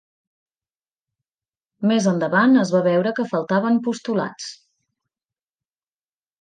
Més endavant es va veure que faltaven postulats.